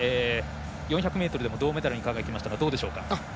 ４００ｍでも銅メダルにも輝きましたがどうでしょうか？